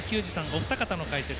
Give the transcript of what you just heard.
お二方の解説。